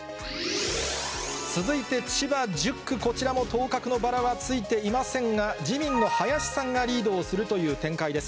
続いて千葉１０区、こちらも当確のバラはついていませんが、自民の林さんがリードをするという展開です。